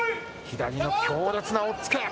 左の強烈なおっつけ。